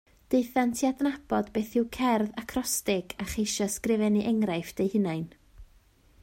Daethant i adnabod beth yw cerdd acrostig a cheisio ysgrifennu enghraifft eu hunain